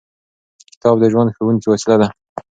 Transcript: کتاب د ژوند ښوونکې وسیله ده.